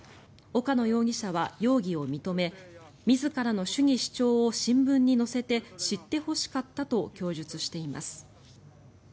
岡野容疑者は容疑を認め自らの主義主張を新聞に載せて知ってほしかったと供述しています。